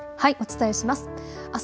お伝えします。